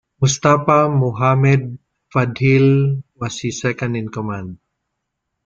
Mustafa Mohamed Fadhil was his second-in-command.